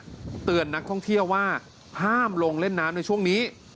ก็เตือนนักท่องเที่ยวว่าห้ามลงเล่นน้ำในช่วงนี้